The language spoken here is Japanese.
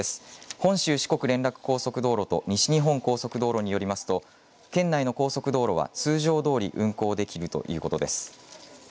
本州四国連絡高速道路と西日本高速道路によりますと県内の高速道路は通常どおり運行できるということです。